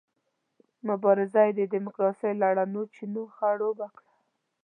مبارزه یې د ډیموکراسۍ له رڼو چینو خړوبه کړه.